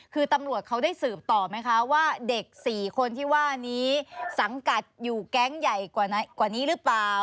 คือตำรวจเขาได้สืบต่อไหมคะว่าเด็ก๔คนที่ว่านี้สังกัดอยู่แก๊งใหญ่กว่านี้หรือเปล่า